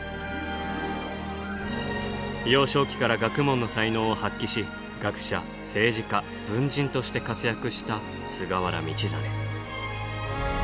幼少期から学問の才能を発揮し学者政治家文人として活躍した菅原道真。